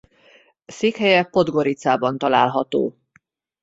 Székhelye Podgoricában található.